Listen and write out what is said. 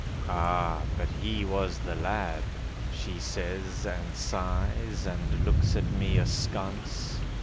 'Ah, but he was the lad!' She says, and sighs, and looks at me askance.